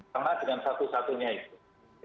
karena dengan satu satunya itu